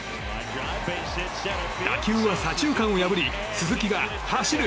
打球は左中間を破り鈴木が走る！